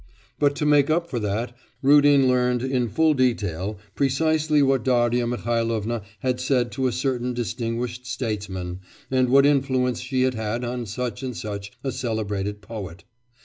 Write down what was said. But to make up for that, Rudin learnt in full detail precisely what Darya Mihailovna had said to a certain distinguished statesman, and what influence she had had on such and such a celebrated poet.